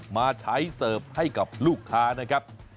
มาใช้เสิร์ฟให้กับลูกค้านะครับ